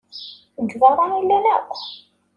Deg beṛṛa i llan akk.